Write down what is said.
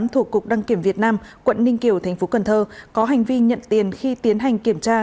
thuộc cục đăng kiểm việt nam quận ninh kiều tp cnh có hành vi nhận tiền khi tiến hành kiểm tra